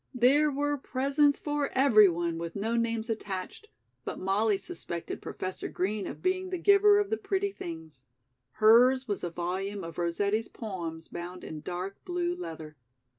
There were presents for everyone with no names attached, but Molly suspected Professor Green of being the giver of the pretty things. Hers was a volume of Rossetti's poems bound in dark blue leather.